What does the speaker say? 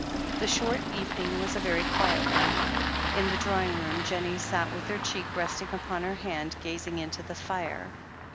The short evening was a very quiet one. In the drawing room Jennie sat with her cheek resting upon her hand, gazing into the fire.